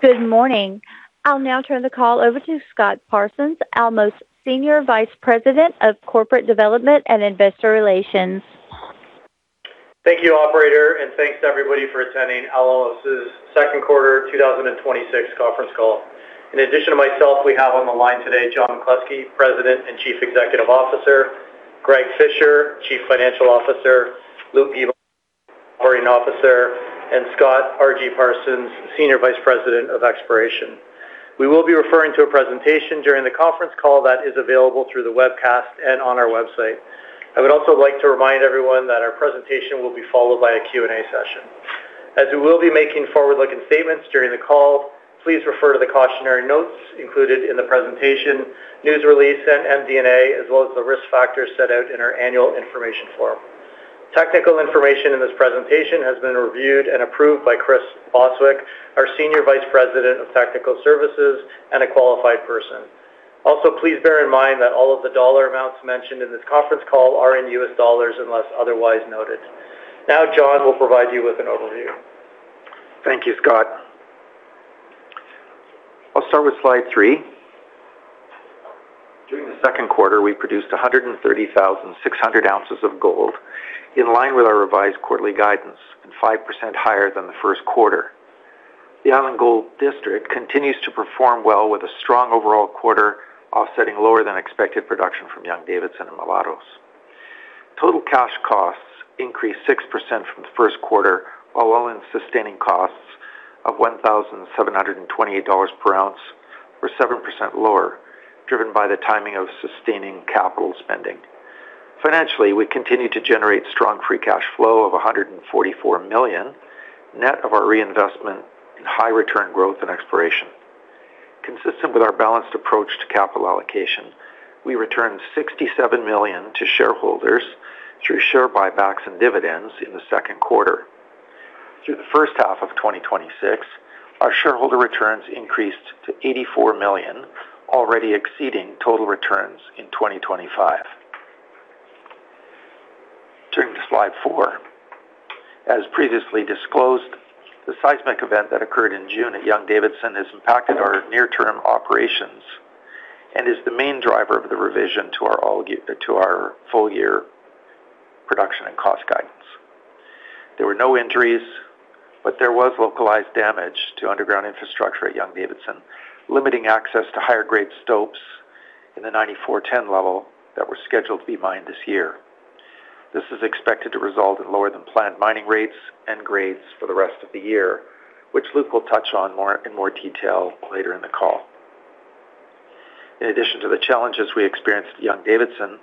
Good morning. I'll now turn the call over to Scott Parsons, Alamos Senior Vice President of Corporate Development and Investor Relations. Thank you, operator, and thanks everybody for attending Alamos' second quarter 2026 conference call. In addition to myself, we have on the line today John McCluskey, President and Chief Executive Officer, Greg Fisher, Chief Financial Officer, Luc Guimond, Corporate Officer, and Scott R.G. Parsons, Senior Vice President of Exploration. We will be referring to a presentation during the conference call that is available through the webcast and on our website. I would also like to remind everyone that our presentation will be followed by a Q&A session. As we will be making forward-looking statements during the call, please refer to the cautionary notes included in the presentation, news release, and MD&A, as well as the risk factors set out in our annual information form. Technical information in this presentation has been reviewed and approved by Chris Bostwick, our Senior Vice President of Technical Services and a qualified person. Please bear in mind that all of the dollar amounts mentioned in this conference call are in US dollars unless otherwise noted. John will provide you with an overview. Thank you, Scott. I'll start with slide three. During the second quarter, we produced 130,600 ounces of gold, in line with our revised quarterly guidance and 5% higher than the first quarter. The Island Gold District continues to perform well with a strong overall quarter, offsetting lower than expected production from Young-Davidson and Mulatos. Total cash costs increased 6% from the first quarter, while all-in sustaining costs of $1,728 per ounce were 7% lower, driven by the timing of sustaining capital spending. Financially, we continue to generate strong free cash flow of $144 million, net of our reinvestment in high return growth and exploration. Consistent with our balanced approach to capital allocation, we returned $67 million to shareholders through share buybacks and dividends in the second quarter. Through the first half of 2026, our shareholder returns increased to $84 million, already exceeding total returns in 2025. Turning to slide four. As previously disclosed, the seismic event that occurred in June at Young-Davidson has impacted our near-term operations and is the main driver of the revision to our full-year production and cost guidance. There were no injuries, but there was localized damage to underground infrastructure at Young-Davidson, limiting access to higher grade stopes in the 9410 level that were scheduled to be mined this year. This is expected to result in lower than planned mining rates and grades for the rest of the year, which Luke will touch on in more detail later in the call. In addition to the challenges we experienced at Young-Davidson,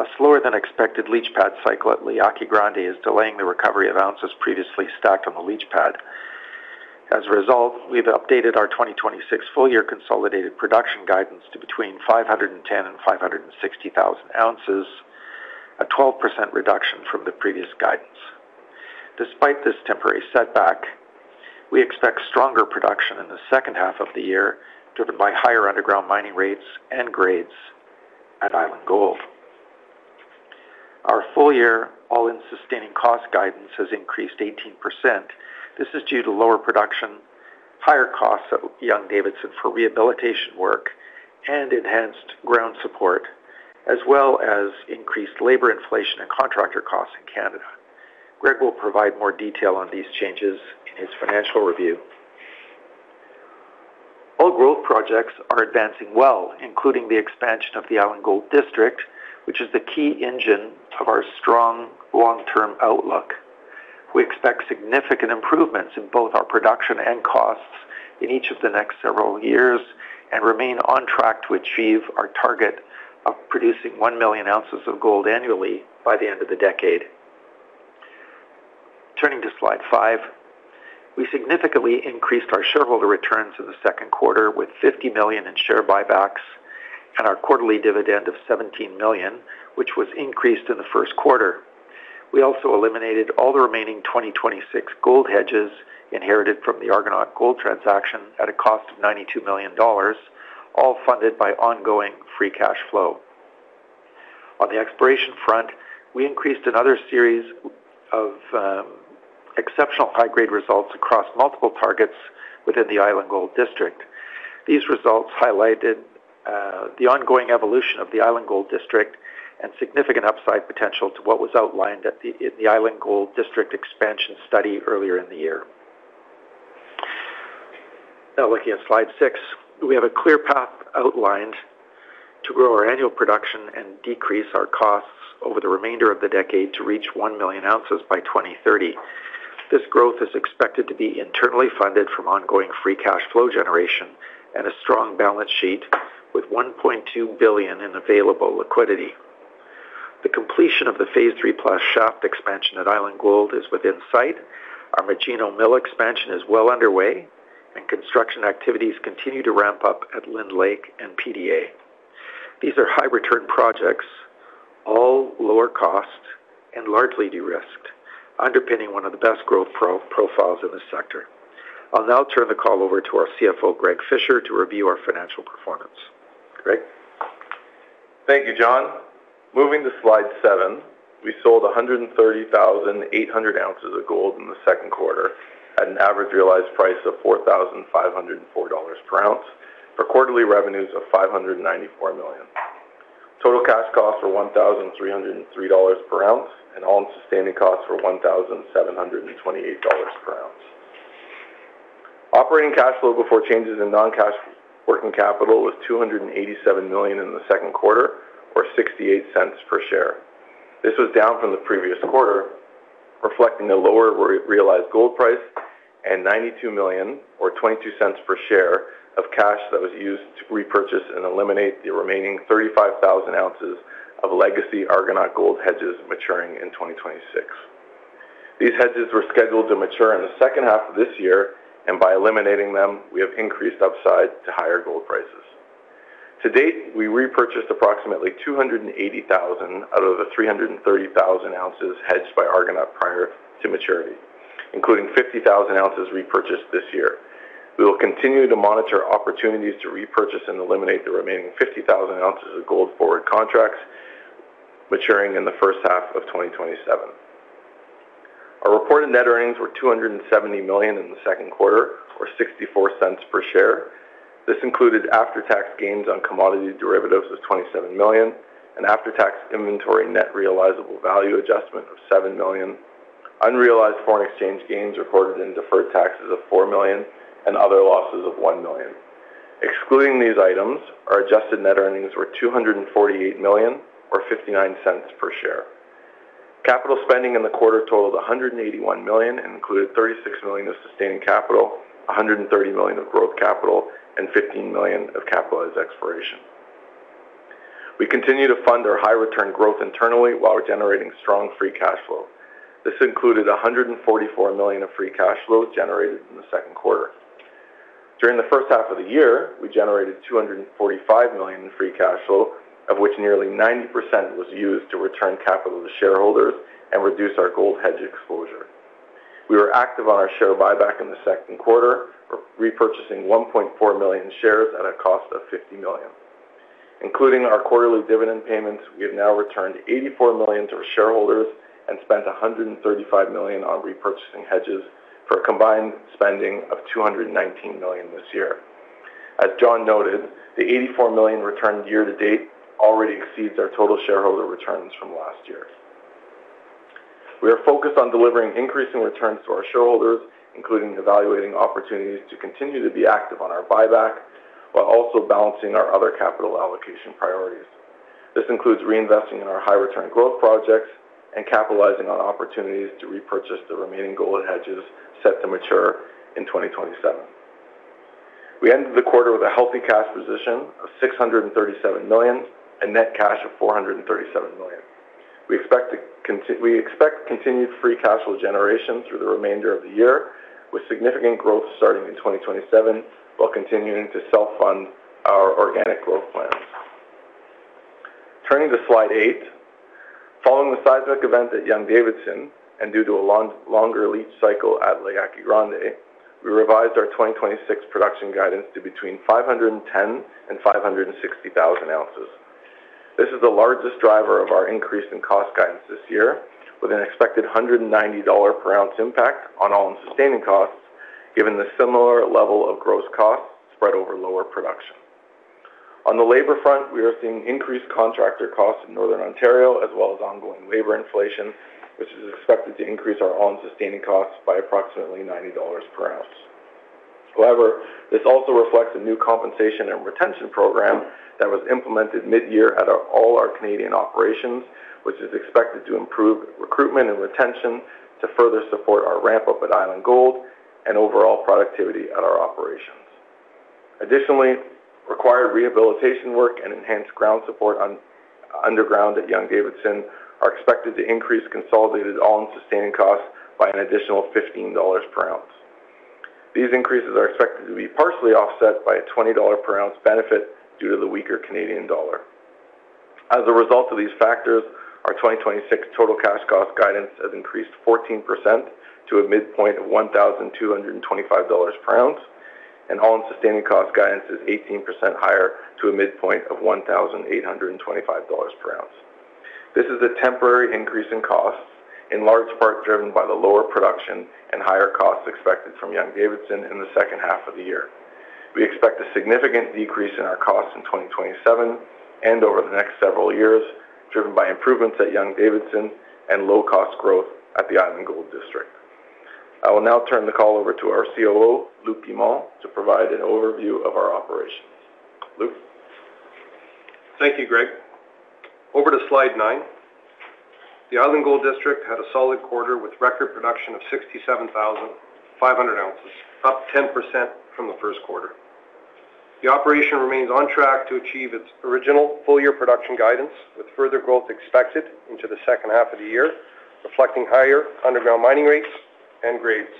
a slower than expected leach pad cycle at La Yaqui Grande is delaying the recovery of ounces previously stacked on the leach pad. As a result, we've updated our 2026 full year consolidated production guidance to between 510,000 and 560,000 oz, a 12% reduction from the previous guidance. Despite this temporary setback, we expect stronger production in the second half of the year, driven by higher underground mining rates and grades at Island Gold. Our full year all-in sustaining cost guidance has increased 18%. This is due to lower production, higher costs at Young-Davidson for rehabilitation work and enhanced ground support, as well as increased labor inflation and contractor costs in Canada. Greg will provide more detail on these changes in his financial review. All growth projects are advancing well, including the expansion of the Island Gold District, which is the key engine of our strong long-term outlook. We expect significant improvements in both our production and costs in each of the next several years and remain on track to achieve our target of producing 1 million ounces of gold annually by the end of the decade. Turning to slide five. We significantly increased our shareholder returns in the second quarter with $50 million in share buybacks and our quarterly dividend of $17 million, which was increased in the first quarter. We also eliminated all the remaining 2026 gold hedges inherited from the Argonaut Gold transaction at a cost of $92 million, all funded by ongoing free cash flow. On the exploration front, we increased another series of exceptional high-grade results across multiple targets within the Island Gold District. These results highlighted the ongoing evolution of the Island Gold District and significant upside potential to what was outlined at the Island Gold District expansion study earlier in the year. Now looking at slide six. We have a clear path outlined to grow our annual production and decrease our costs over the remainder of the decade to reach 1 million ounces by 2030. This growth is expected to be internally funded from ongoing free cash flow generation and a strong balance sheet with $1.2 billion in available liquidity. The completion of the phase III+ shaft expansion at Island Gold is within sight. Our Magino Mill expansion is well underway, and construction activities continue to ramp up at Lynn Lake and PDA. These are high return projects, all lower cost and largely de-risked, underpinning one of the best growth profiles in the sector. I'll now turn the call over to our CFO, Greg Fisher, to review our financial performance. Greg? Thank you, John. Moving to slide seven, we sold 130,800 oz of gold in the second quarter at an average realized price of $4,504 per ounce for quarterly revenues of $594 million. Total cash costs were $1,303 per ounce, and all-in sustaining costs were $1,728 per ounce. Operating cash flow before changes in non-cash working capital was $287 million in the second quarter, or $0.68 per share. This was down from the previous quarter, reflecting a lower realized gold price and $92 million, or $0.22 per share, of cash that was used to repurchase and eliminate the remaining 35,000 oz of legacy Argonaut Gold hedges maturing in 2026. These hedges were scheduled to mature in the second half of this year, and by eliminating them, we have increased upside to higher gold prices. To date, we repurchased approximately 280,000 out of the 330,000 oz hedged by Argonaut prior to maturity, including 50,000 oz repurchased this year. We will continue to monitor opportunities to repurchase and eliminate the remaining 50,000 oz of gold forward contracts maturing in the first half of 2027. Our reported net earnings were $270 million in the second quarter, or $0.64 per share. This included after-tax gains on commodity derivatives of $27 million and after-tax inventory net realizable value adjustment of $7 million, unrealized foreign exchange gains recorded in deferred taxes of $4 million and other losses of $1 million. Excluding these items, our adjusted net earnings were $248 million, or $0.59 per share. Capital spending in the quarter totaled $181 million and included $36 million of sustaining capital, $130 million of growth capital, and $15 million of capitalized exploration. We continue to fund our high return growth internally while generating strong free cash flow. This included $144 million of free cash flow generated in the second quarter. During the first half of the year, we generated $245 million in free cash flow, of which nearly 90% was used to return capital to shareholders and reduce our gold hedge exposure. We were active on our share buyback in the second quarter, repurchasing 1.4 million shares at a cost of $50 million. Including our quarterly dividend payments, we have now returned $84 million to our shareholders and spent $135 million on repurchasing hedges for a combined spending of $219 million this year. As John noted, the $84 million returned year-to-date already exceeds our total shareholder returns from last year. We are focused on delivering increasing returns to our shareholders, including evaluating opportunities to continue to be active on our buyback while also balancing our other capital allocation priorities. This includes reinvesting in our high return growth projects and capitalizing on opportunities to repurchase the remaining gold hedges set to mature in 2027. We ended the quarter with a healthy cash position of $637 million and net cash of $437 million. We expect continued free cash flow generation through the remainder of the year, with significant growth starting in 2027 while continuing to self-fund our organic growth plans. Turning to slide eight, following the seismic event at Young-Davidson and due to a longer leach cycle at La Yaqui Grande, we revised our 2026 production guidance to between 510,000 and 560,000 oz. This is the largest driver of our increase in cost guidance this year, with an expected $190 per ounce impact on all-in sustaining costs, given the similar level of gross costs spread over lower production. On the labor front, we are seeing increased contractor costs in Northern Ontario as well as ongoing labor inflation, which is expected to increase our own sustaining costs by approximately $90 per ounce. However, this also reflects a new compensation and retention program that was implemented mid-year at all our Canadian operations, which is expected to improve recruitment and retention to further support our ramp up at Island Gold and overall productivity at our operations. Additionally, required rehabilitation work and enhanced ground support underground at Young-Davidson are expected to increase consolidated all-in sustaining costs by an additional $15 per ounce. These increases are expected to be partially offset by a 20 dollar per ounce benefit due to the weaker Canadian dollar. As a result of these factors, our 2026 total cash cost guidance has increased 14% to a midpoint of $1,225 per ounce, and all-in sustaining cost guidance is 18% higher to a midpoint of $1,825 per ounce. This is a temporary increase in costs, in large part driven by the lower production and higher costs expected from Young-Davidson in the second half of the year. We expect a significant decrease in our costs in 2027 and over the next several years, driven by improvements at Young-Davidson and low-cost growth at the Island Gold District. I will now turn the call over to our COO, Luc Guimond, to provide an overview of our operations. Luc? Thank you, Greg. Over to slide nine. The Island Gold District had a solid quarter with record production of 67,500 oz, up 10% from the first quarter. The operation remains on track to achieve its original full-year production guidance, with further growth expected into the second half of the year, reflecting higher underground mining rates and grades.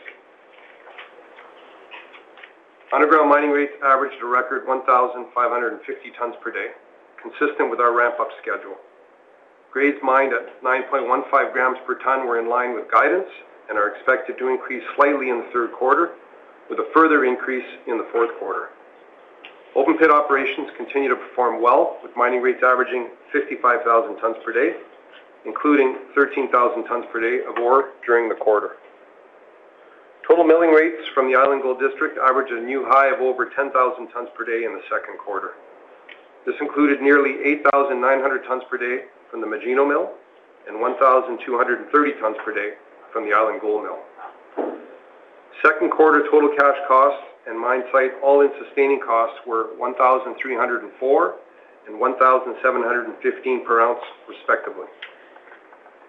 Underground mining rates averaged a record 1,550 tons per day, consistent with our ramp up schedule. Grades mined at 9.15 grams per tonne were in line with guidance and are expected to increase slightly in the third quarter, with a further increase in the fourth quarter. Open pit operations continue to perform well, with mining rates averaging 55,000 tonnes per day, including 13,000 tonnes per day of ore during the quarter. Total milling rates from the Island Gold District averaged a new high of over 10,000 tonnes per day in the second quarter. This included nearly 8,900 tonnes per day from the Magino Mill and 1,230 tonnes per day from the Island Gold Mill. Second quarter total cash costs and mine-site all-in sustaining costs were $1,304 and $1,715 per ounce respectively.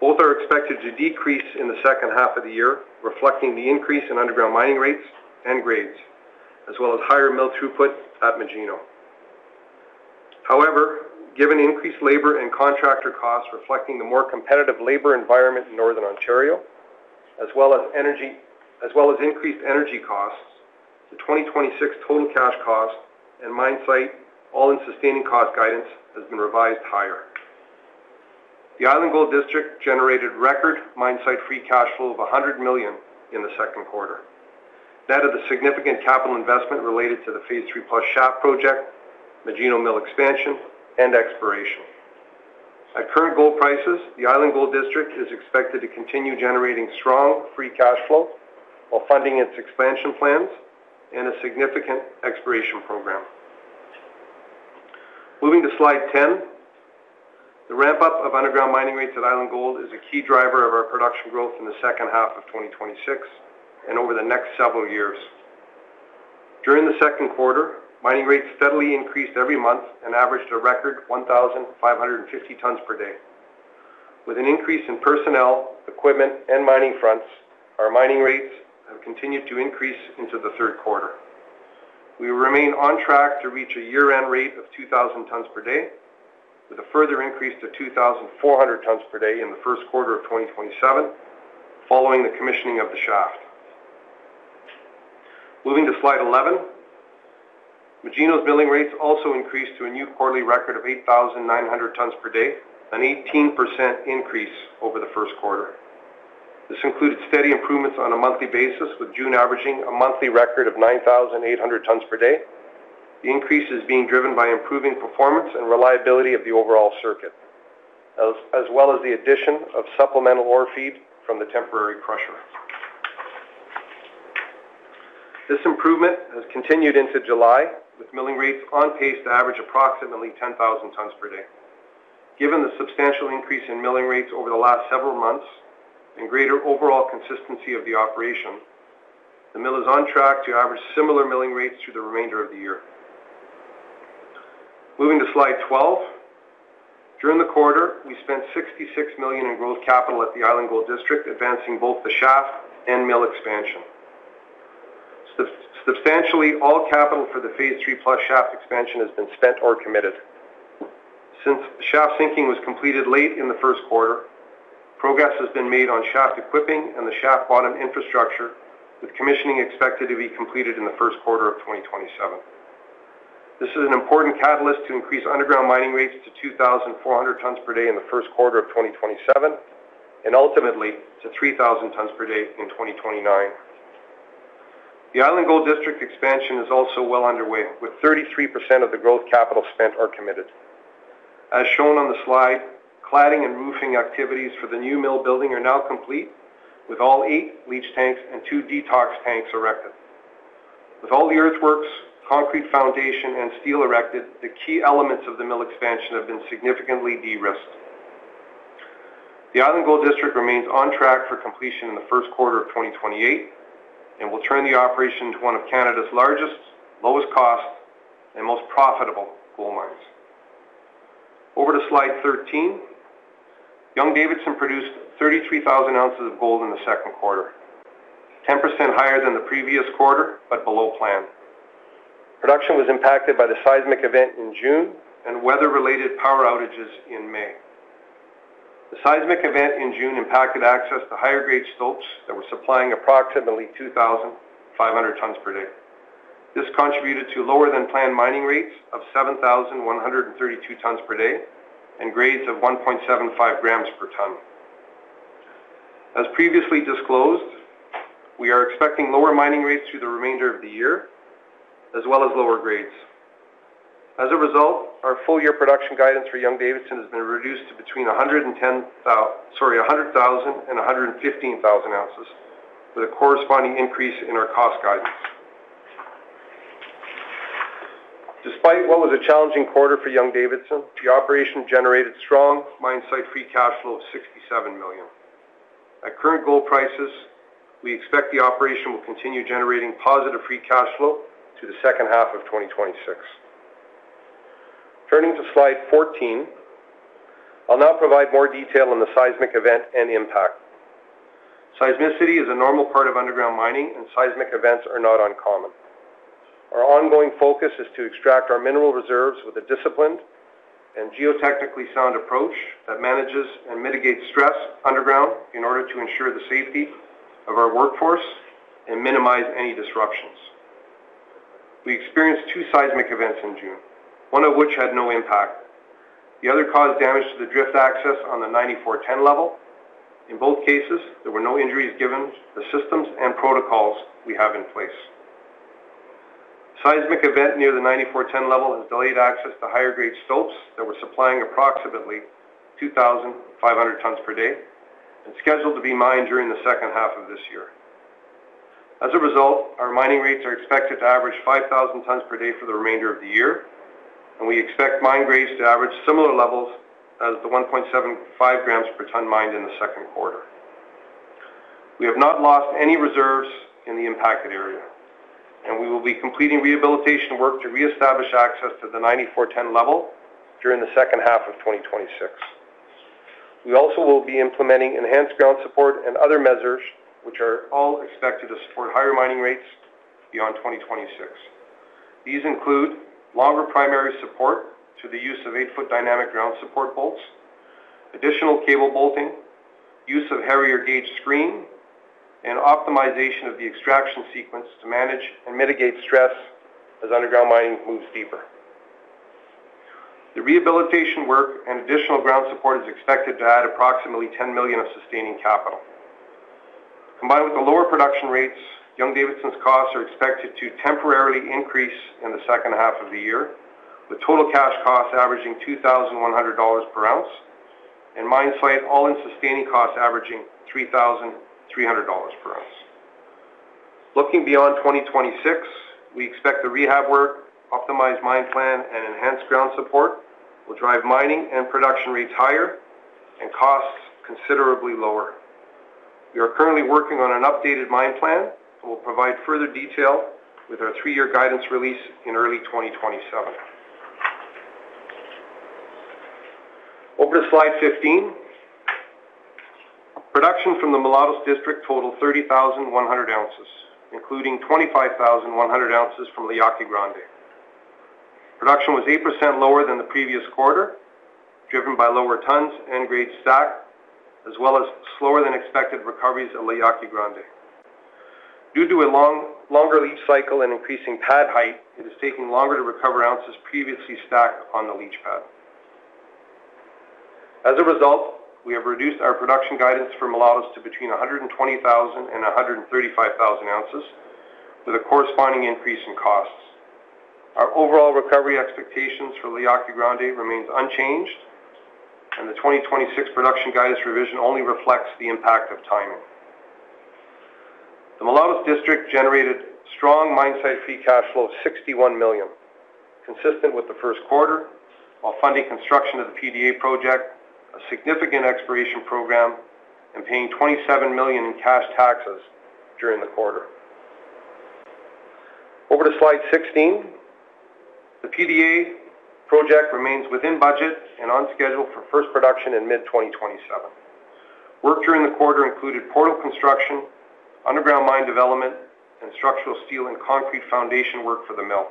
Both are expected to decrease in the second half of the year, reflecting the increase in underground mining rates and grades, as well as higher mill throughput at Magino. However, given increased labor and contractor costs reflecting the more competitive labor environment in Northern Ontario, as well as increased energy costs, the 2026 total cash cost and mine-site all-in sustaining cost guidance has been revised higher. The Island Gold District generated record mine-site free cash flow of $100 million in the second quarter. That is a significant capital investment related to the phase III+ shaft project, Magino Mill expansion, and exploration. At current gold prices, the Island Gold District is expected to continue generating strong free cash flow while funding its expansion plans and a significant exploration program. Moving to slide 10, the ramp-up of underground mining rates at Island Gold is a key driver of our production growth in the second half of 2026 and over the next several years. During the second quarter, mining rates steadily increased every month and averaged a record 1,550 tonnes per day. With an increase in personnel, equipment, and mining fronts, our mining rates have continued to increase into the third quarter. We remain on track to reach a year-end rate of 2,000 tonnes per day with a further increase to 2,400 tonnes per day in the first quarter of 2027 following the commissioning of the shaft. Moving to slide 11, Magino's milling rates also increased to a new quarterly record of 8,900 tonnes per day, an 18% increase over the first quarter. This included steady improvements on a monthly basis, with June averaging a monthly record of 9,800 tonnes per day. The increase is being driven by improving performance and reliability of the overall circuit, as well as the addition of supplemental ore feed from the temporary crusher. This improvement has continued into July, with milling rates on pace to average approximately 10,000 tonnes per day. Given the substantial increase in milling rates over the last several months and greater overall consistency of the operation, the mill is on track to average similar milling rates through the remainder of the year. Moving to slide 12, during the quarter, we spent $66 million in growth capital at the Island Gold District, advancing both the shaft and mill expansion. Substantially, all capital for the phase III+ shaft expansion has been spent or committed. Since the shaft sinking was completed late in the first quarter, progress has been made on shaft equipping and the shaft bottom infrastructure, with commissioning expected to be completed in the first quarter of 2027. This is an important catalyst to increase underground mining rates to 2,400 tonnes per day in the first quarter of 2027 and ultimately to 3,000 tonnes per day in 2029. The Island Gold District expansion is also well underway, with 33% of the growth capital spent or committed. As shown on the slide, cladding and roofing activities for the new mill building are now complete, with all eight leach tanks and two detox tanks erected. With all the earthworks, concrete foundation, and steel erected, the key elements of the mill expansion have been significantly de-risked. The Island Gold District remains on track for completion in the first quarter of 2028 and will turn the operation into one of Canada's largest, lowest cost, and most profitable gold mines. Over to slide 13, Young-Davidson produced 33,000 oz of gold in the second quarter, 10% higher than the previous quarter, but below plan. Production was impacted by the seismic event in June and weather-related power outages in May. The seismic event in June impacted access to higher-grade stopes that were supplying approximately 2,500 tonnes per day. This contributed to lower-than-planned mining rates of 7,132 tonnes per day and grades of 1.75 grams per tonne. As previously disclosed, we are expecting lower mining rates through the remainder of the year, as well as lower grades. Our full-year production guidance for Young-Davidson has been reduced to between 100,000 and 115,000 oz with a corresponding increase in our cost guidance. Despite what was a challenging quarter for Young-Davidson, the operation generated strong mine-site free cash flow of $67 million. At current gold prices, we expect the operation will continue generating positive free cash flow to the second half of 2026. Turning to slide 14, I'll now provide more detail on the seismic event and impact. Seismicity is a normal part of underground mining, and seismic events are not uncommon. Our ongoing focus is to extract our mineral reserves with a disciplined and geotechnically sound approach that manages and mitigates stress underground in order to ensure the safety of our workforce and minimize any disruptions. We experienced two seismic events in June, one of which had no impact. The other caused damage to the drift access on the 9410 level. In both cases, there were no injuries given the systems and protocols we have in place. Seismic event near the 9410 level has delayed access to higher grade stopes that were supplying approximately 2,500 tonnes per day and scheduled to be mined during the second half of this year. Our mining rates are expected to average 5,000 tonnes per day for the remainder of the year, and we expect mine grades to average similar levels as the 1.75 grams per tonne mined in the second quarter. We have not lost any reserves in the impacted area, and we will be completing rehabilitation work to reestablish access to the 9410 level during the second half of 2026. We also will be implementing enhanced ground support and other measures which are all expected to support higher mining rates beyond 2026. These include longer primary support to the use of eight-foot dynamic ground support bolts, additional cable bolting, use of heavier gauge screen, and optimization of the extraction sequence to manage and mitigate stress as underground mining moves deeper. The rehabilitation work and additional ground support is expected to add approximately $10 million of sustaining capital. Combined with the lower production rates, Young-Davidson's costs are expected to temporarily increase in the second half of the year, with total cash costs averaging $2,100 per ounce and mine-site all-in sustaining costs averaging $3,300 per ounce. Looking beyond 2026, we expect the rehab work, optimized mine plan, and enhanced ground support will drive mining and production rates higher and costs considerably lower. We are currently working on an updated mine plan and will provide further detail with our three-year guidance release in early 2027. Over to slide 15. Production from the Mulatos District totaled 30,100 oz, including 25,100 ounces from La Yaqui Grande. Production was 8% lower than the previous quarter, driven by lower tons and grade stock, as well as slower than expected recoveries at La Yaqui Grande. Due to a longer leach cycle and increasing pad height, it is taking longer to recover ounces previously stacked on the leach pad. As a result, we have reduced our production guidance for Mulatos to between 120,000 and 135,000 oz, with a corresponding increase in costs. Our overall recovery expectations for La Yaqui Grande remains unchanged, and the 2026 production guidance revision only reflects the impact of timing. The Mulatos District generated strong mine-site free cash flow of $61 million, consistent with the first quarter, while funding construction of the PDA project, a significant exploration program, and paying $27 million in cash taxes during the quarter. Over to slide 16. The PDA project remains within budget and on schedule for first production in mid-2027. Work during the quarter included portal construction, underground mine development, and structural steel and concrete foundation work for the mill.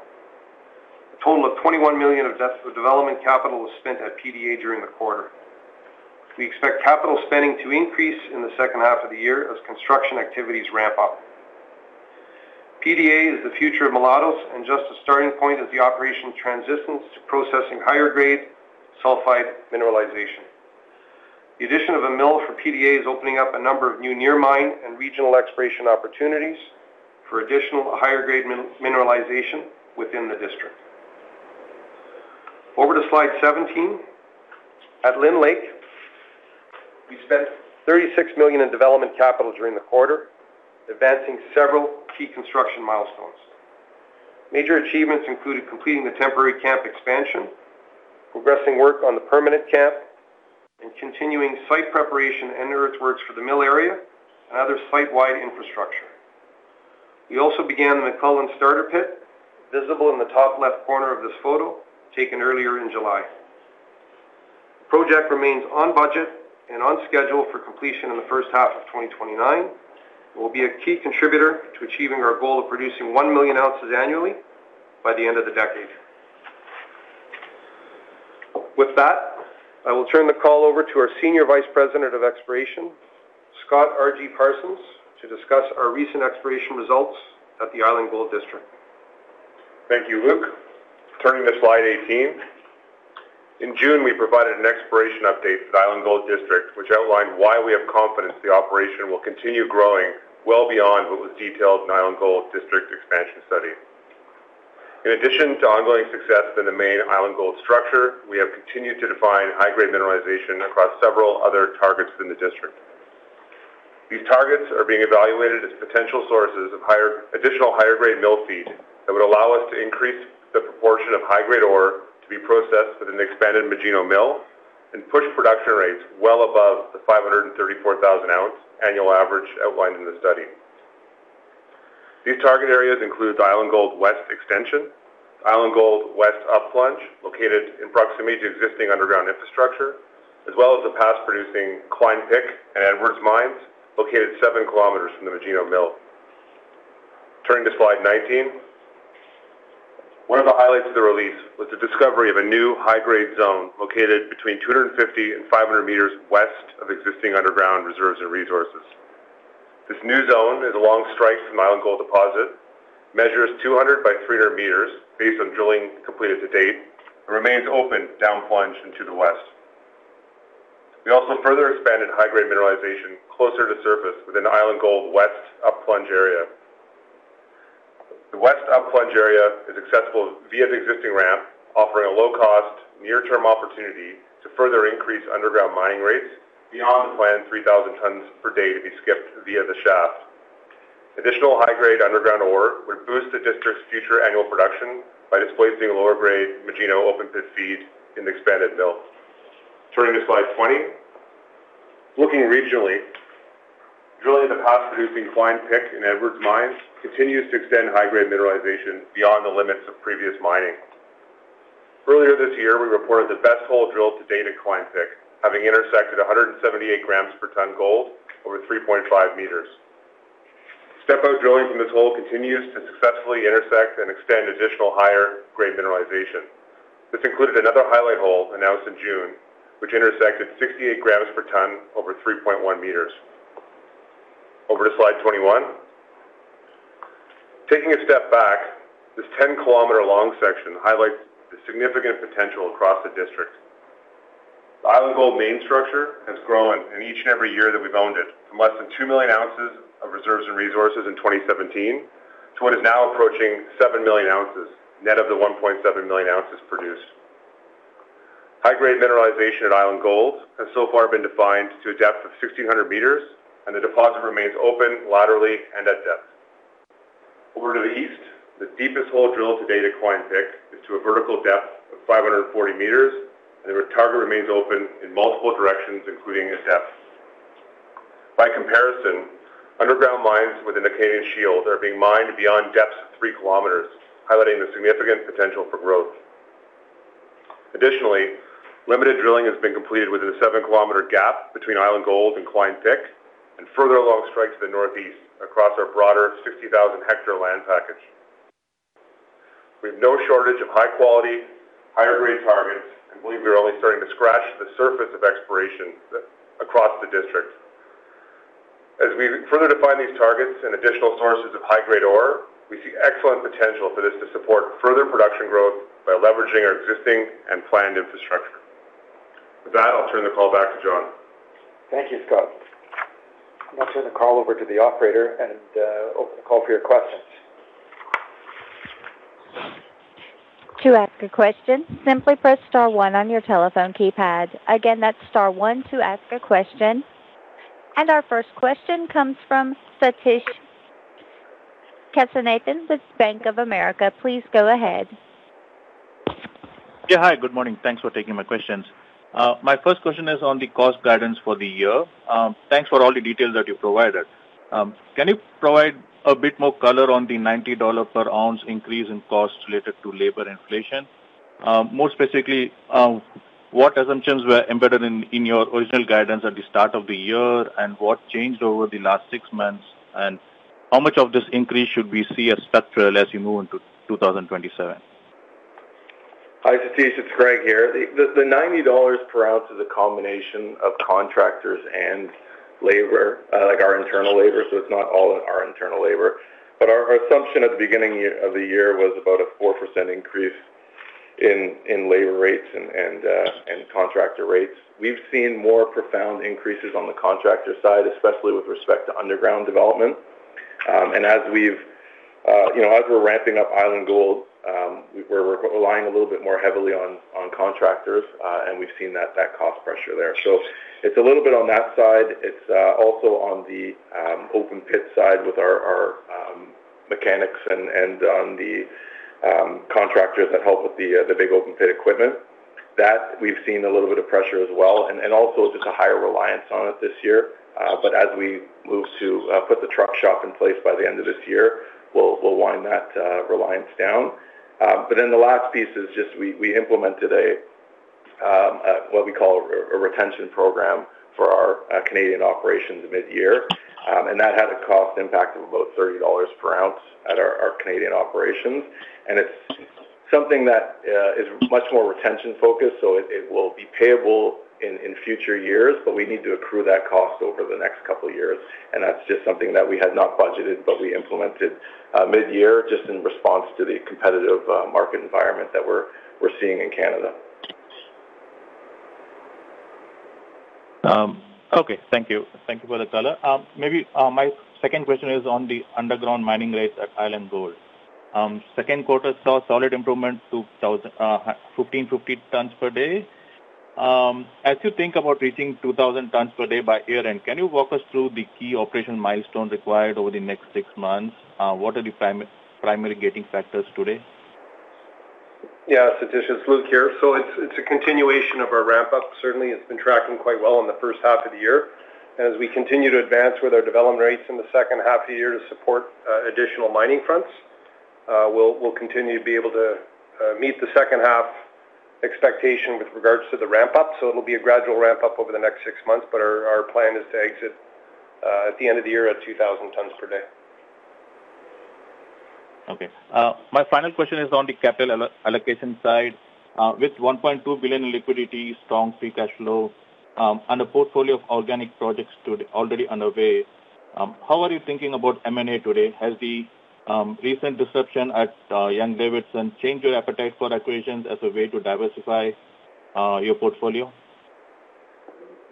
A total of $21 million of development capital was spent at PDA during the quarter. We expect capital spending to increase in the second half of the year as construction activities ramp up. PDA is the future of Mulatos and just a starting point as the operation transitions to processing higher grade sulfide mineralization. The addition of a mill for PDA is opening up a number of new near mine and regional exploration opportunities for additional higher grade mineralization within the district. Over to slide 17. At Lynn Lake, we spent $36 million in development capital during the quarter, advancing several key construction milestones. Major achievements included completing the temporary camp expansion, progressing work on the permanent camp, and continuing site preparation and earthworks for the mill area and other site-wide infrastructure. We also began the MacLellan starter pit, visible in the top left corner of this photo taken earlier in July. Project remains on budget and on schedule for completion in the first half of 2029, and will be a key contributor to achieving our goal of producing one million ounces annually by the end of the decade. With that, I will turn the call over to our Senior Vice President of Exploration, Scott K. Parsons, to discuss our recent exploration results at the Island Gold District. Thank you, Luke. Turning to slide 18. In June, we provided an exploration update to the Island Gold District, which outlined why we have confidence the operation will continue growing well beyond what was detailed in Island Gold District expansion study. In addition to ongoing success in the main Island Gold structure, we have continued to define high-grade mineralization across several other targets within the district. These targets are being evaluated as potential sources of additional higher grade mill feed that would allow us to increase the proportion of high-grade ore to be processed at an expanded Magino Mill and push production rates well above the 534,000 oz annual average outlined in the study. These target areas include the Island Gold West extension, Island Gold West up plunge, located in proximity to existing underground infrastructure, as well as the past producing Cline-Pick and Edwards mines located four kilometers from the Magino Mill. Turning to slide 19. One of the highlights of the release was the discovery of a new high-grade zone located between 250 and 500 meters west of existing underground reserves and resources. This new zone is a long strike from Island Gold deposit, measures 200 by 300 meters based on drilling completed to date, and remains open down plunge and to the west. We also further expanded high-grade mineralization closer to surface within Island Gold West up plunge area. The West up plunge area is accessible via the existing ramp, offering a low-cost, near-term opportunity to further increase underground mining rates beyond the planned 3,000 tons per day to be skipped via the shaft. Additional high-grade underground ore would boost the district's future annual production by displacing lower grade Magino open pit feed in the expanded mill. Turning to slide 20. Looking regionally, drilling in the past producing Cline-Pick in Edwards Mine continues to extend high-grade mineralization beyond the limits of previous mining. Earlier this year, we reported the best hole drilled to date at Cline-Pick, having intersected 178 grams per ton gold over 3.5 meters. Step-out drilling from this hole continues to successfully intersect and extend additional higher grade mineralization. This included another highlight hole announced in June, which intersected 68 grams per ton over 3.1 meters. Over to slide 21. Taking a step back, this 10-kilometer-long section highlights the significant potential across the district. The Island Gold main structure has grown in each and every year that we've owned it, from less than two million ounces of reserves and resources in 2017 to what is now approaching seven million ounces, net of the 1.7 million ounces produced. High-grade mineralization at Island Gold has so far been defined to a depth of 1,600 meters, and the deposit remains open laterally and at depth. Over to the east, the deepest hole drilled to date at Cline-Pick is to a vertical depth of 540 m, and the target remains open in multiple directions, including at depth. By comparison, underground mines within the Canadian Shield are being mined beyond depths of three kilometers, highlighting the significant potential for growth. Additionally, limited drilling has been completed within a seven-kilometer gap between Island Gold and Cline-Pick, and further along strike to the northeast across our broader 50,000-hectare land package. We have no shortage of high-quality, higher grade targets and believe we are only starting to scratch the surface of exploration across the district. As we further define these targets and additional sources of high-grade ore, we see excellent potential for this to support further production growth by leveraging our existing and planned infrastructure. With that, I'll turn the call back to John. Thank you, Scott. I'm going to turn the call over to the operator and open the call for your questions. To ask a question, simply press star one on your telephone keypad. Again, that's star one to ask a question. Our first question comes from Satish Kesanathan with Bank of America. Please go ahead. Yeah, hi. Good morning. Thanks for taking my questions. My first question is on the cost guidance for the year. Thanks for all the details that you provided. Can you provide a bit more color on the $90 per ounce increase in cost related to labor inflation? More specifically, what assumptions were embedded in your original guidance at the start of the year, and what changed over the last six months, and how much of this increase should we see as structural as you move into 2027? Hi, Satish, it's Greg here. The $90 per ounce is a combination of contractors and labor, like our internal labor, so it's not all our internal labor. Our assumption at the beginning of the year was about a 4% increase in labor rates and contractor rates. We've seen more profound increases on the contractor side, especially with respect to underground development. As we're ramping up Island Gold, we're relying a little bit more heavily on contractors, and we've seen that cost pressure there. It's a little bit on that side. It's also on the open pit side with our mechanics and on the contractors that help with the big open pit equipment. We've seen a little bit of pressure as well, and also just a higher reliance on it this year. As we move to put the truck shop in place by the end of this year, we'll wind that reliance down. The last piece is just we implemented what we call a retention program for our Canadian operations mid-year. That had a cost impact of about $30 per ounce at our Canadian operations. It's something that is much more retention focused, so it will be payable in future years, but we need to accrue that cost over the next couple of years, and that's just something that we had not budgeted, but we implemented mid-year just in response to the competitive market environment that we're seeing in Canada. Okay. Thank you. Thank you for the color. Maybe my second question is on the underground mining rates at Island Gold. Second quarter saw solid improvement to 1,550 tons per day. As you think about reaching 2,000 tons per day by year-end, can you walk us through the key operation milestones required over the next six months? What are the primary gating factors today? Yeah, Satish, it's Luke here. It's a continuation of our ramp up. Certainly, it's been tracking quite well in the first half of the year. As we continue to advance with our development rates in the second half of the year to support additional mining fronts, we'll continue to be able to meet the second half expectation with regards to the ramp up. It'll be a gradual ramp up over the next six months, but our plan is to exit at the end of the year at 2,000 tons per day. Okay. My final question is on the capital allocation side. With $1.2 billion in liquidity, strong free cash flow, and a portfolio of organic projects already underway, how are you thinking about M&A today? Has the recent disruption at Young-Davidson changed your appetite for acquisitions as a way to diversify your portfolio?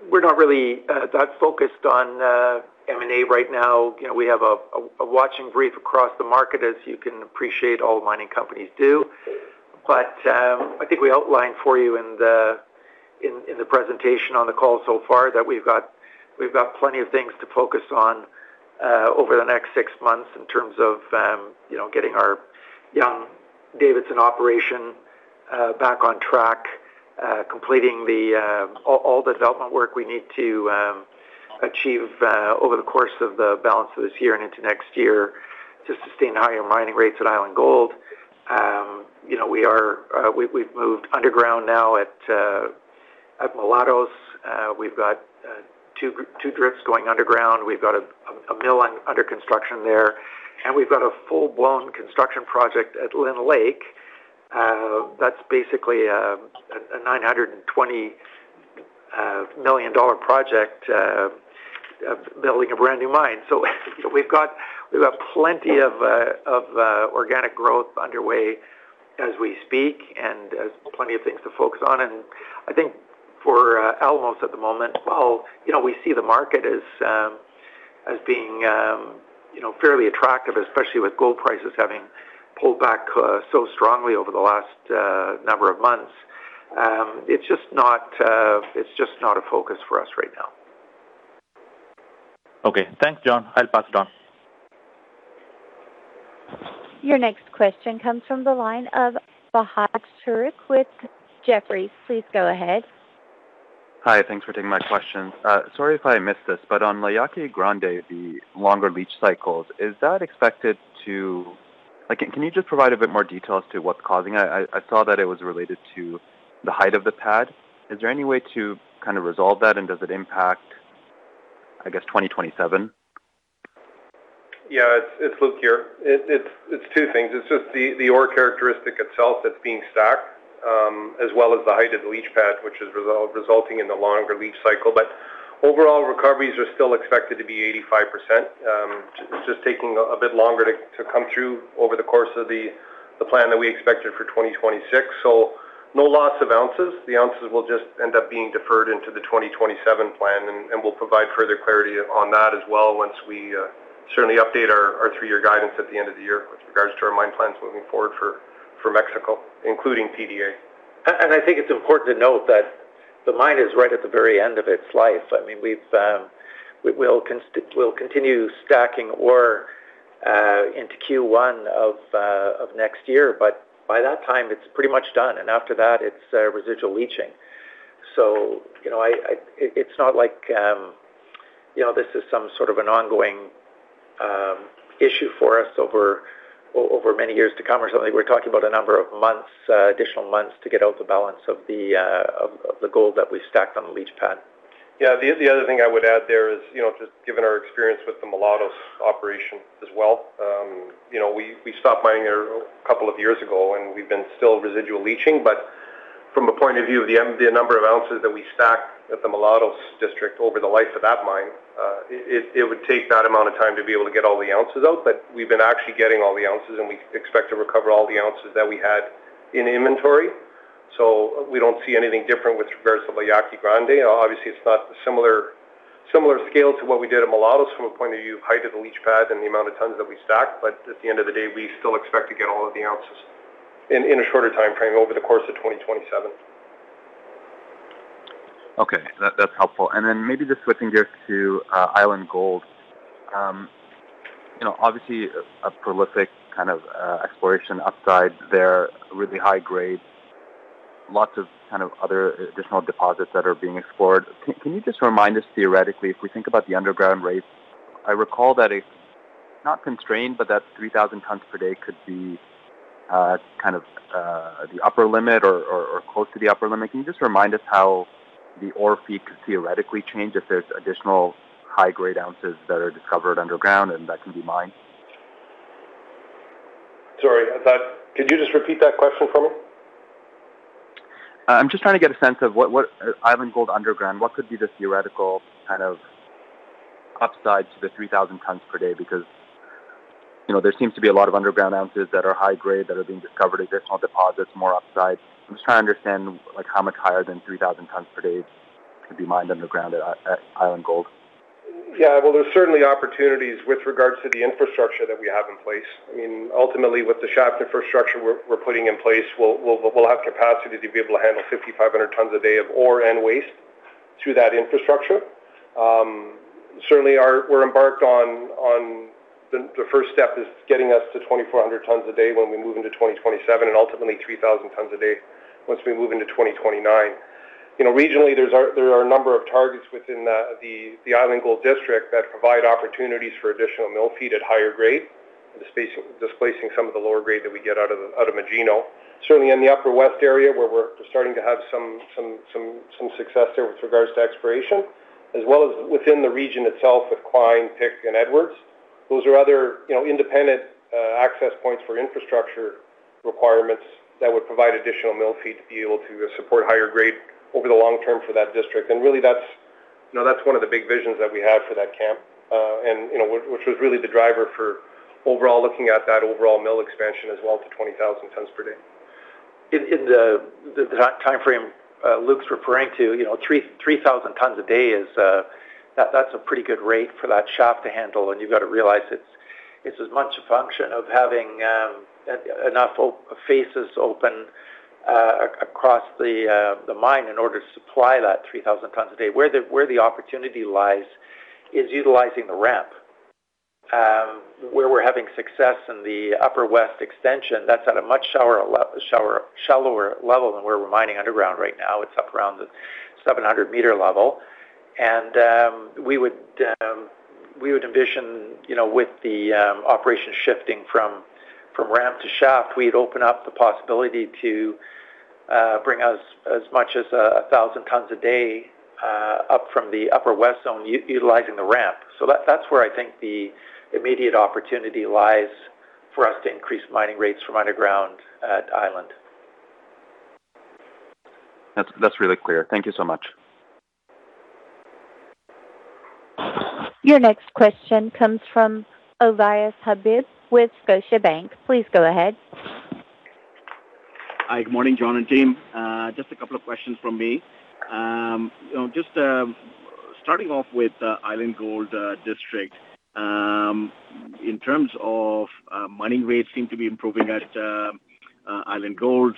We're not really that focused on M&A right now. We have a watching brief across the market, as you can appreciate, all mining companies do. I think we outlined for you in the presentation on the call so far that we've got plenty of things to focus on over the next six months in terms of getting our Young-Davidson operation back on track, completing all the development work we need to achieve over the course of the balance of this year and into next year to sustain higher mining rates at Island Gold. We've moved underground now at Mulatos. We've got two drifts going underground. We've got a mill under construction there. We've got a full-blown construction project at Lynn Lake. That's basically a $920 million project, building a brand new mine. We've got plenty of organic growth underway as we speak, and plenty of things to focus on. I think for Alamos at the moment, while we see the market as being fairly attractive, especially with gold prices having pulled back so strongly over the last number of months, it's just not a focus for us right now. Okay. Thanks, John. I'll pass it on. Your next question comes from the line of Fahad Tariq with Jefferies. Please go ahead. Hi. Thanks for taking my questions. Sorry if I missed this, on La Yaqui Grande, the longer leach cycles, can you just provide a bit more details to what's causing that? I saw that it was related to the height of the pad. Is there any way to resolve that, does it impact, I guess, 2027? It's Luke here. It's two things. It's just the ore characteristic itself that's being stacked, as well as the height of the leach pad, which is resulting in the longer leach cycle. Overall recoveries are still expected to be 85%. It's just taking a bit longer to come through over the course of the plan that we expected for 2026. No loss of ounces. The ounces will just end up being deferred into the 2027 plan, we'll provide further clarity on that as well once we certainly update our three-year guidance at the end of the year with regards to our mine plans moving forward for Mexico, including PDA. I think it's important to note that the mine is right at the very end of its life. We'll continue stacking ore into Q1 of next year, by that time, it's pretty much done, after that, it's residual leaching. It's not like this is some sort of an ongoing issue for us over many years to come or something. We're talking about a number of additional months to get out the balance of the gold that we stacked on the leach pad. Yeah. The other thing I would add there is, just given our experience with the Mulatos operation as well, we stopped mining there a couple of years ago, and we've been still residual leaching. From a point of view of the number of ounces that we stacked at the Mulatos District over the life of that mine, it would take that amount of time to be able to get all the ounces out. We've been actually getting all the ounces, and we expect to recover all the ounces that we had in inventory. We don't see anything different with regards to the La Yaqui Grande. Obviously, it's not similar scale to what we did at Mulatos from a point of view of height of the leach pad and the amount of tons that we stacked. At the end of the day, we still expect to get all of the ounces in a shorter timeframe over the course of 2027. Okay. That's helpful. Then maybe just switching gears to Island Gold. Obviously, a prolific exploration upside there, really high grade, lots of other additional deposits that are being explored. Can you just remind us theoretically, if we think about the underground rates, I recall that it's not constrained, but that 3,000 tons per day could be the upper limit or close to the upper limit. Can you just remind us how the ore feed could theoretically change if there's additional high-grade ounces that are discovered underground and that can be mined? Sorry about that. Could you just repeat that question for me? I'm just trying to get a sense of Island Gold underground, what could be the theoretical upside to the 3,000 tons per day? Because there seems to be a lot of underground ounces that are high grade that are being discovered, additional deposits, more upside. I'm just trying to understand how much higher than 3,000 tons per day could be mined underground at Island Gold. Yeah. Well, there's certainly opportunities with regards to the infrastructure that we have in place. Ultimately, with the shaft infrastructure we're putting in place, we'll have capacity to be able to handle 5,500 tons a day of ore and waste through that infrastructure. Certainly, the first step is getting us to 2,400 tons a day when we move into 2027 and ultimately 3,000 tons a day once we move into 2029. Regionally, there are a number of targets within the Island Gold District that provide opportunities for additional mill feed at higher grade, displacing some of the lower grade that we get out of Magino. Certainly in the upper west area where we're starting to have some success there with regards to exploration, as well as within the region itself with Cline, Pick, and Edwards. Those are other independent access points for infrastructure requirements that would provide additional mill feed to be able to support higher grade over the long term for that district. Really that's one of the big visions that we have for that camp, which was really the driver for overall looking at that overall mill expansion as well to 20,000 tons per day. In the timeframe Luke's referring to, 3,000 tons a day, that's a pretty good rate for that shaft to handle. You've got to realize it's as much a function of having enough faces open across the mine in order to supply that 3,000 tons a day. Where the opportunity lies is utilizing the ramp. Where we're having success in the upper west extension, that's at a much shallower level than we're mining underground right now. It's up around the 700-meter level. We would envision with the operation shifting from ramp to shaft, we'd open up the possibility to bring as much as 1,000 tons a day up from the upper west zone utilizing the ramp. That's where I think the immediate opportunity lies for us to increase mining rates from underground at Island. That's really clear. Thank you so much. Your next question comes from Ovais Habib with Scotiabank. Please go ahead. Hi, good morning, John and team. Just a couple of questions from me. Just starting off with Island Gold District. In terms of mining rates seem to be improving at Island Gold.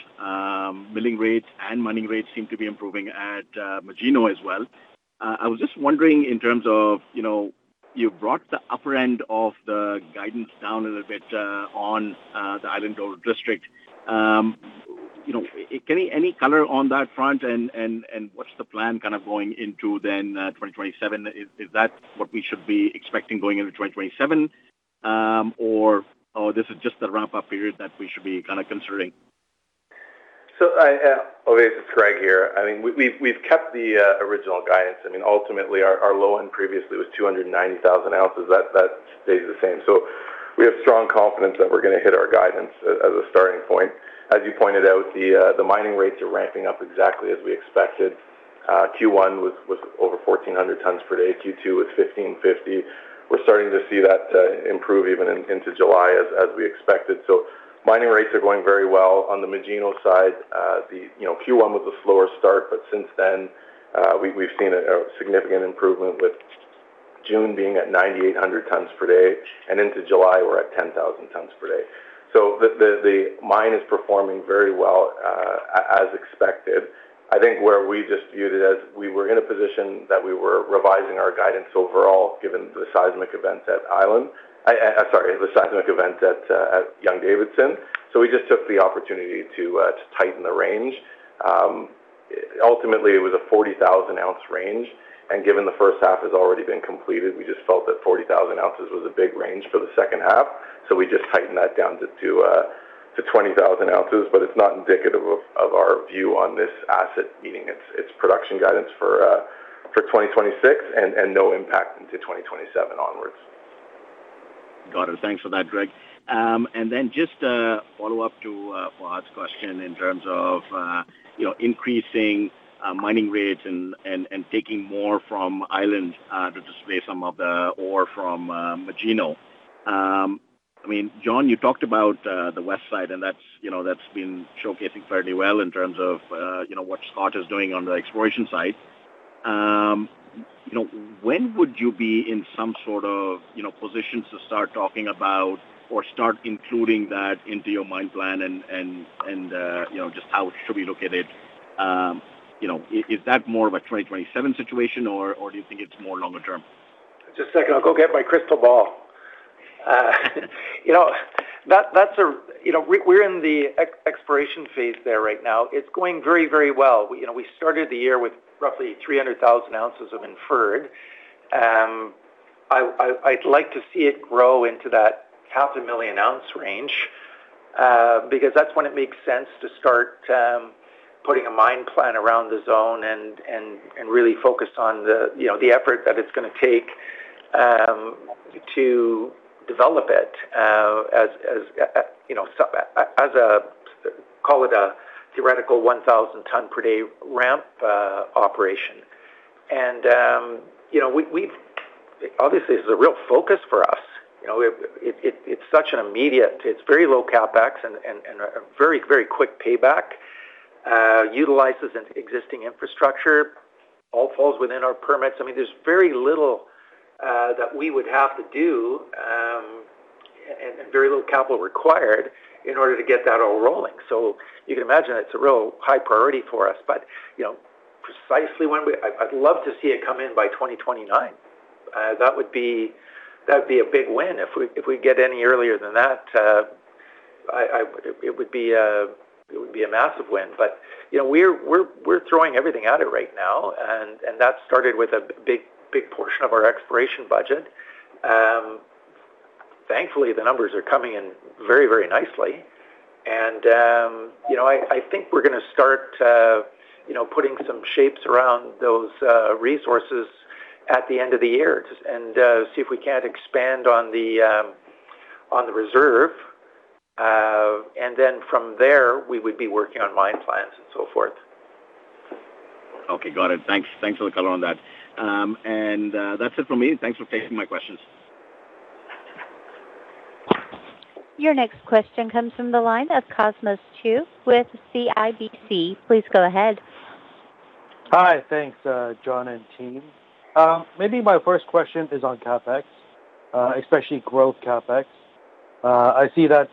Milling rates and mining rates seem to be improving at Magino as well. I was just wondering in terms of, you brought the upper end of the guidance down a little bit on the Island Gold District. Any color on that front, and what's the plan going into 2027? Is that what we should be expecting going into 2027, or this is just a ramp-up period that we should be considering? Ovais, it's Greg here. We've kept the original guidance. Ultimately, our low end previously was 290,000 ounces. That stays the same. We have strong confidence that we're going to hit our guidance as a starting point. As you pointed out, the mining rates are ramping up exactly as we expected. Q1 was over 1,400 tons per day. Q2 was 1,550. We're starting to see that improve even into July as we expected. Mining rates are going very well. On the Magino side, Q1 was a slower start, but since then, we've seen a significant improvement with June being at 9,800 tons per day, and into July, we're at 10,000 tons per day. The mine is performing very well as expected. I think where we just viewed it as we were in a position that we were revising our guidance overall, given the seismic event at Young-Davidson. We just took the opportunity to tighten the range. Ultimately, it was a 40,000-oz range, and given the first half has already been completed, we just felt that 40,000 oz was a big range for the second half, we just tightened that down to 20,000 oz. It's not indicative of our view on this asset, meaning its production guidance for 2026 and no impact into 2027 onwards. Got it. Thanks for that, Greg. Then just a follow-up to Fahad's question in terms of increasing mining rates and taking more from Island to displace some of the ore from Magino. John, you talked about the west side, and that's been showcasing fairly well in terms of what Scott is doing on the exploration side. When would you be in some sort of position to start talking about or start including that into your mine plan and just how should we look at it? Is that more of a 2027 situation, or do you think it's more longer term? Just a second, I'll go get my crystal ball. We're in the exploration phase there right now. It's going very well. We started the year with roughly 300,000 oz of inferred. I'd like to see it grow into that half a million ounce range, because that's when it makes sense to start putting a mine plan around the zone and really focus on the effort that it's going to take to develop it as, call it a theoretical 1,000 ton per day ramp operation. Obviously, this is a real focus for us. It's such an immediate, it's very low CapEx and a very quick payback. Utilizes existing infrastructure. All falls within our permits. There's very little that we would have to do, and very little capital required in order to get that all rolling. You can imagine it's a real high priority for us. Precisely when, I'd love to see it come in by 2029. That would be a big win. If we get any earlier than that, it would be a massive win. We're throwing everything at it right now, and that started with a big portion of our exploration budget. Thankfully, the numbers are coming in very nicely. I think we're going to start putting some shapes around those resources at the end of the year and see if we can't expand on the reserve. Then from there, we would be working on mine plans and so forth. Okay. Got it. Thanks for the color on that. That's it from me. Thanks for taking my questions. Your next question comes from the line of Cosmos Chiu with CIBC. Please go ahead. Hi. Thanks, John and team. Maybe my first question is on CapEx, especially growth CapEx. I see that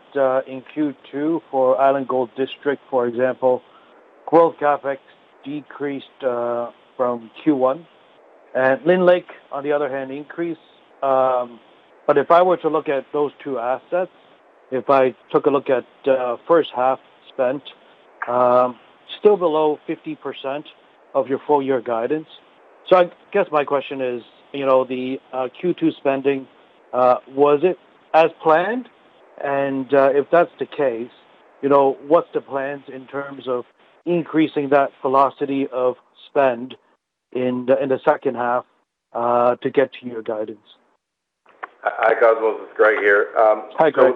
in Q2 for Island Gold District, for example, growth CapEx decreased from Q1. Lynn Lake, on the other hand, increased. If I were to look at those two assets, if I took a look at first half spent, still below 50% of your full year guidance. I guess my question is, the Q2 spending, was it as planned? If that's the case, what's the plans in terms of increasing that velocity of spend in the second half to get to your guidance? Hi, Cosmos. It's Greg here. Hi, Greg.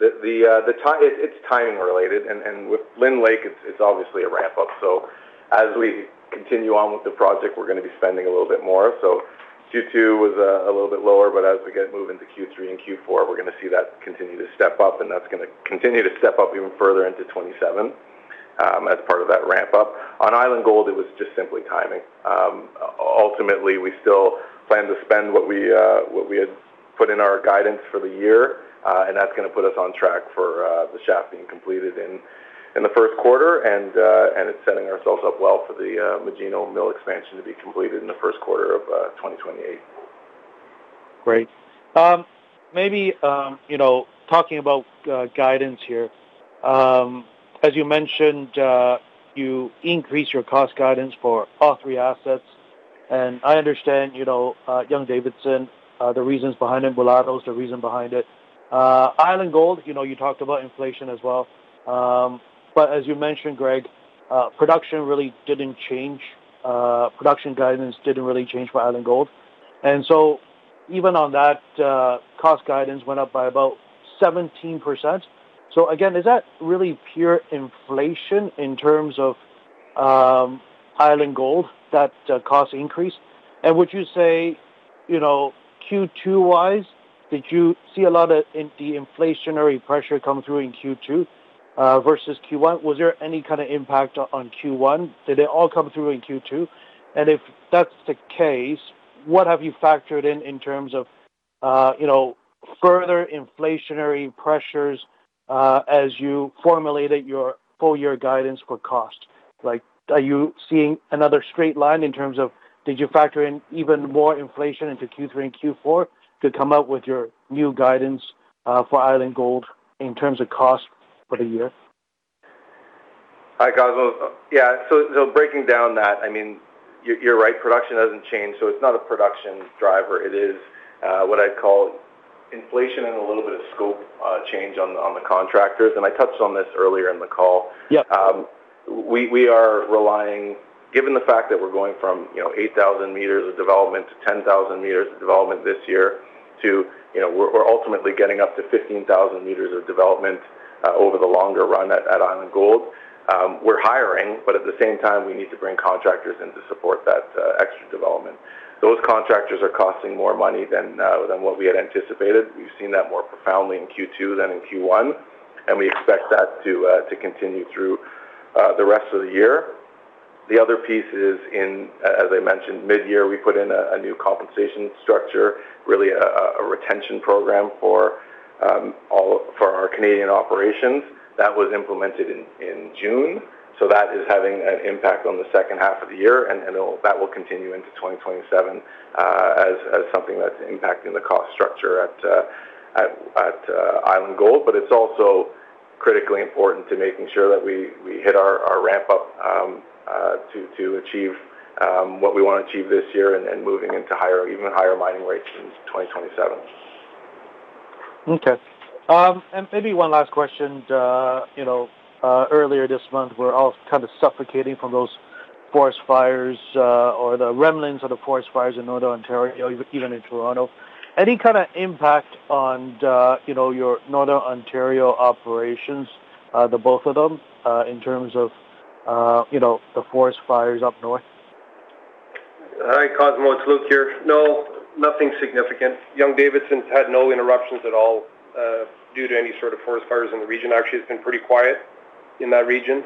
It's timing related. With Lynn Lake, it's obviously a ramp up. As we continue on with the project, we're going to be spending a little bit more. Q2 was a little bit lower, but as we move into Q3 and Q4, we're going to see that continue to step up, and that's going to continue to step up even further into 2027 as part of that ramp up. On Island Gold, it was just simply timing. Ultimately, we still plan to spend what we had put in our guidance for the year, and that's going to put us on track for the shaft being completed in the first quarter. It's setting ourselves up well for the Magino Mill expansion to be completed in the first quarter of 2028. Great. Maybe talking about guidance here. As you mentioned, you increased your cost guidance for all three assets. I understand Young-Davidson, the reasons behind it, Mulatos, the reason behind it. Island Gold, you talked about inflation as well. As you mentioned, Greg, production really didn't change. Production guidance didn't really change for Island Gold. Even on that, cost guidance went up by about 17%. Again, is that really pure inflation in terms of Island Gold, that cost increase? Would you say, Q2 wise, did you see a lot of the inflationary pressure come through in Q2 versus Q1? Was there any kind of impact on Q1? Did they all come through in Q2? If that's the case, what have you factored in terms of further inflationary pressures as you formulated your full year guidance for cost? Are you seeing another straight line in terms of did you factor in even more inflation into Q3 and Q4 to come out with your new guidance for Island Gold in terms of cost for the year? Hi, Cosmos. Breaking down that, you're right, production hasn't changed. It's not a production driver. It is what I'd call inflation and a little bit of scope change on the contractors, and I touched on this earlier in the call. Yeah. Given the fact that we're going from 8,000 m of development to 10,000 m of development this year to we're ultimately getting up to 15,000 m of development over the longer run at Island Gold. We're hiring, but at the same time, we need to bring contractors in to support that extra development. Those contractors are costing more money than what we had anticipated. We've seen that more profoundly in Q2 than in Q1, and we expect that to continue through the rest of the year. The other piece is in, as I mentioned, mid-year, we put in a new compensation structure, really a retention program for our Canadian operations. That was implemented in June. That is having an impact on the second half of the year, and that will continue into 2027 as something that's impacting the cost structure at Island Gold. It's also critically important to making sure that we hit our ramp up to achieve what we want to achieve this year and moving into even higher mining rates in 2027. Okay. Maybe one last question. Earlier this month, we're all kind of suffocating from those forest fires or the remnants of the forest fires in Northern Ontario, even in Toronto. Any kind of impact on your Northern Ontario operations, the both of them, in terms of the forest fires up north? Hi, Cosmos. Luke here. No, nothing significant. Young-Davidson's had no interruptions at all due to any sort of forest fires in the region. Actually, it's been pretty quiet in that region.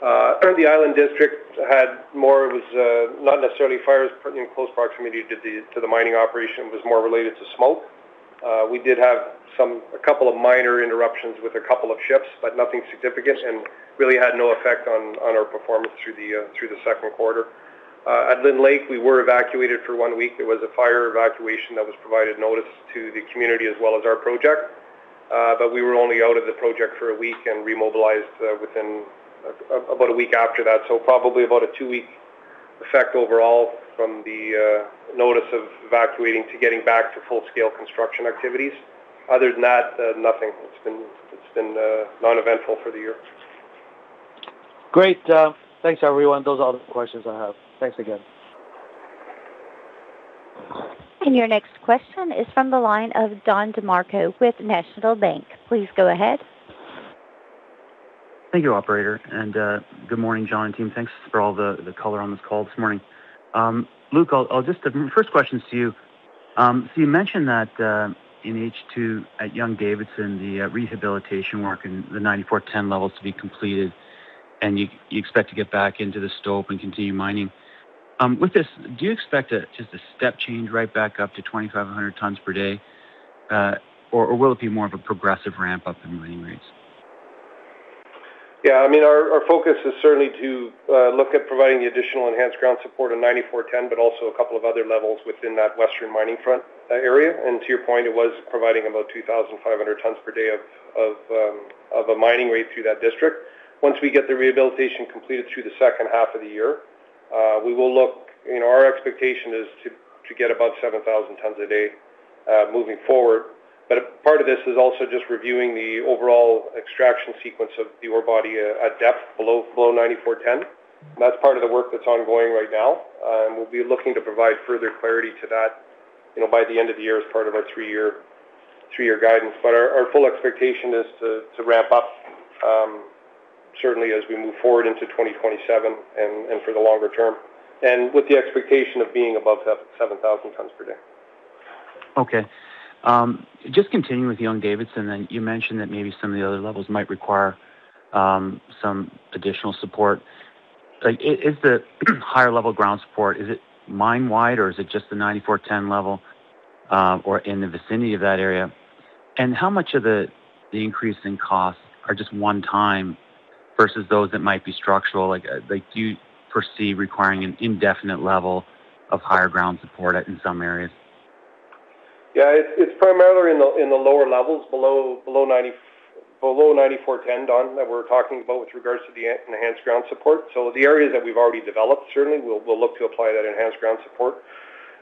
The Island District had more, it was not necessarily fires in close proximity to the mining operation. It was more related to smoke. We did have a couple of minor interruptions with a couple of shifts, nothing significant, and really had no effect on our performance through the second quarter. At Lynn Lake, we were evacuated for one week. There was a fire evacuation that was provided notice to the community as well as our project. We were only out of the project for a week and remobilized within about a week after that. Probably about a two-week effect overall from the notice of evacuating to getting back to full scale construction activities. Other than that, nothing. It's been uneventful for the year. Great. Thanks everyone. Those are all the questions I have. Thanks again. Your next question is from the line of Don DeMarco with National Bank. Please go ahead. Thank you, operator, and good morning, John and team. Thanks for all the color on this call this morning. Luc, the first question is to you. You mentioned that in H2 at Young-Davidson, the rehabilitation work in the 9410 level is to be completed, and you expect to get back into the stope and continue mining. With this, do you expect just a step change right back up to 2,500 tons per day, or will it be more of a progressive ramp-up in mining rates? Our focus is certainly to look at providing the additional enhanced ground support in 9410, but also a couple of other levels within that western mining front area. To your point, it was providing about 2,500 tons per day of a mining rate through that district. Once we get the rehabilitation completed through the second half of the year, our expectation is to get above 7,000 tons a day, moving forward. A part of this is also just reviewing the overall extraction sequence of the ore body at depth below 9410, and that's part of the work that's ongoing right now. We'll be looking to provide further clarity to that by the end of the year as part of our three-year guidance. Our full expectation is to ramp up, certainly as we move forward into 2027, and for the longer term. With the expectation of being above 7,000 tons per day. Okay. Just continuing with Young-Davidson, you mentioned that maybe some of the other levels might require some additional support. Is the higher level ground support, is it mine-wide, or is it just the 9410 level, or in the vicinity of that area? How much of the increase in costs are just one-time versus those that might be structural? Do you foresee requiring an indefinite level of higher ground support in some areas? Yeah. It's primarily in the lower levels below 9410, Don, that we're talking about with regards to the enhanced ground support. The areas that we've already developed, certainly we'll look to apply that enhanced ground support.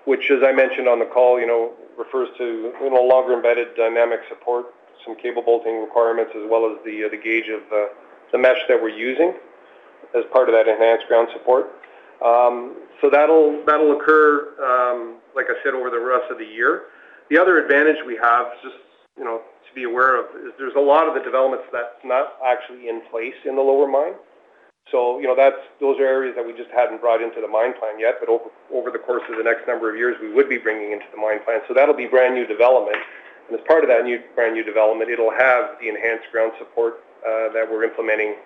Which, as I mentioned on the call, refers to longer embedded dynamic support, some cable bolting requirements, as well as the gauge of the mesh that we're using as part of that enhanced ground support. That'll occur, like I said, over the rest of the year. The other advantage we have, just to be aware of, is there's a lot of the developments that's not actually in place in the lower mine. Those are areas that we just hadn't brought into the mine plan yet, but over the course of the next number of years, we would be bringing into the mine plan. That'll be brand-new development, and as part of that brand-new development, it'll have the enhanced ground support that we're implementing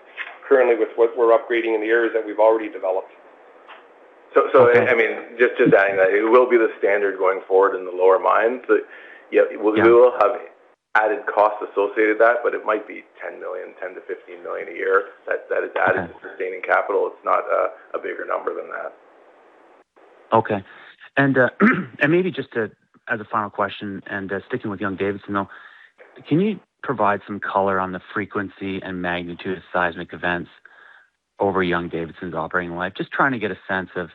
currently with what we're upgrading in the areas that we've already developed. Okay. Just adding that it will be the standard going forward in the lower mine. Yeah, we will have added costs associated to that, but it might be $10 million, $10 million-$15 million a year that is added to sustaining capital. It's not a bigger number than that. Okay. Maybe just as a final question and sticking with Young-Davidson though, can you provide some color on the frequency and magnitude of seismic events over Young-Davidson's operating life? Just trying to get a sense of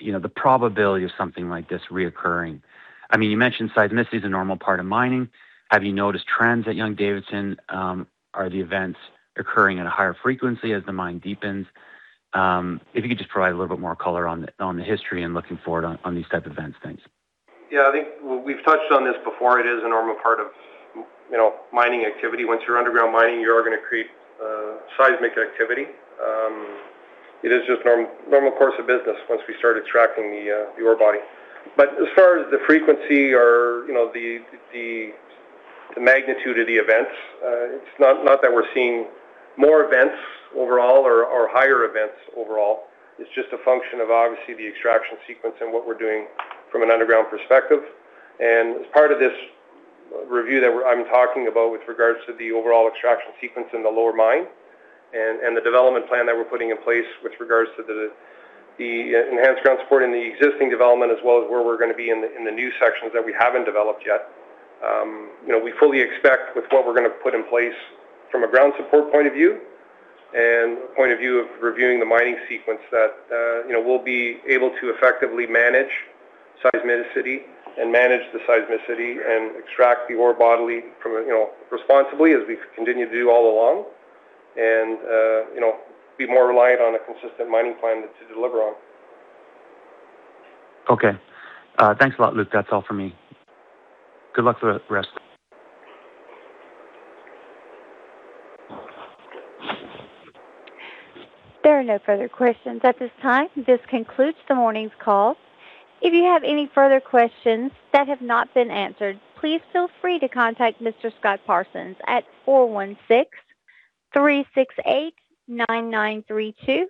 the probability of something like this reoccurring. You mentioned seismicity is a normal part of mining. Have you noticed trends at Young-Davidson? Are the events occurring at a higher frequency as the mine deepens? If you could just provide a little bit more color on the history and looking forward on these type of events. Thanks. Yeah. I think we've touched on this before. It is a normal part of mining activity. Once you're underground mining, you are going to create seismic activity. It is just normal course of business once we started tracking the ore body. As far as the frequency or the magnitude of the events, it's not that we're seeing more events overall or higher events overall. It's just a function of, obviously, the extraction sequence and what we're doing from an underground perspective. As part of this review that I'm talking about with regards to the overall extraction sequence in the lower mine and the development plan that we're putting in place with regards to the enhanced ground support in the existing development as well as where we're going to be in the new sections that we haven't developed yet. We fully expect with what we're going to put in place from a ground support point of view and a point of view of reviewing the mining sequence, that we'll be able to effectively manage seismicity and manage the seismicity and extract the ore body responsibly as we've continued to do all along. Be more reliant on a consistent mining plan to deliver on. Okay. Thanks a lot, Luc. That's all for me. Good luck for the rest. There are no further questions at this time. This concludes the morning's call. If you have any further questions that have not been answered, please feel free to contact Mr. Scott Parsons at 416-368-9932.